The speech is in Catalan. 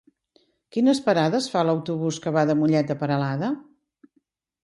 Quines parades fa l'autobús que va a Mollet de Peralada?